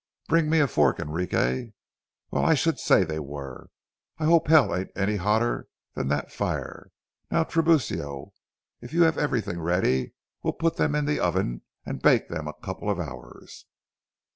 Bring me a fork, Enrique. Well, I should say they were. I hope hell ain't any hotter than that fire. Now, Tiburcio, if you have everything ready, we'll put them in the oven, and bake them a couple of hours."